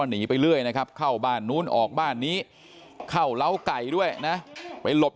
หนีไปเรื่อยนะครับเข้าบ้านนู้นออกบ้านนี้เข้าเล้าไก่ด้วยนะไปหลบ